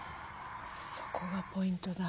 そこがポイントだ。